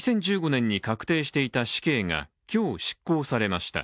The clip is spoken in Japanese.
２０１５年に確定していた死刑が今日、執行されました。